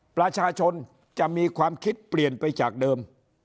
ประชาชนจะมีความคิดเปลี่ยนไปจากเดิม